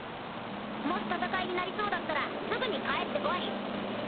もし戦いになりそうだったらすぐに帰って来い。